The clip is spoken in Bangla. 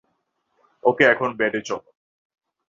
ওকে এখন বেডে চলো।